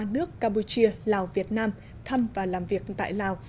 nước campuchia lào việt nam thăm và làm việc tại lào